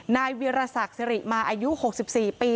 นายเวียรศักดิ์สิริมาอายุ๖๔ปี